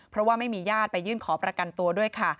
เพราะว่าไม่มีญาติไปยื่นขอประกันตัวด้วยค่ะ